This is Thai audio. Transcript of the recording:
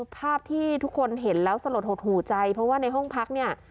ภาพที่ทุกคนเห็นแล้วสลดหดหูใจเพราะว่าในห้องพักเนี่ย